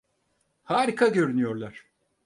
Harika görünüyorlar.